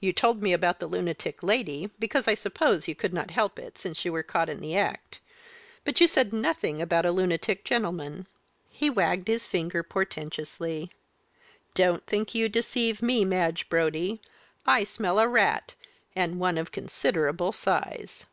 "You told me about the lunatic lady, because, I suppose, you could not help it since you were caught in the act but you said nothing about a lunatic gentleman." He wagged his finger portentously. "Don't think you deceive me, Madge Brodie I smell a rat, and one of considerable size."